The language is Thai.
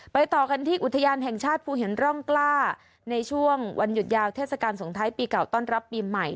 ต่อกันที่อุทยานแห่งชาติภูหินร่องกล้าในช่วงวันหยุดยาวเทศกาลสงท้ายปีเก่าต้อนรับปีใหม่